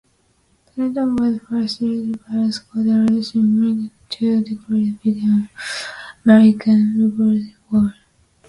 Clinton was first settled by Scots-Irish immigrants two decades before the American Revolutionary War.